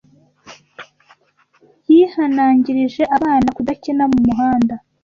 Yihanangirije abana kudakina mu muhanda.